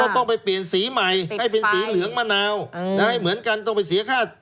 ต้องไปเปลี่ยนสีใหม่ให้เป็นสีเหลืองมะนาวให้เหมือนกันต้องไปเสียค่า